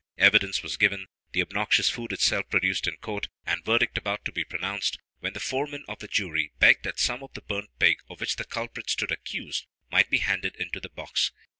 ] Evidence was given, the obnoxious food itself produced in court, and verdict about to be pronounced, when the foreman of the jury begged that some of the burnt pig, of which the culprits stood accused, might be handed into the box.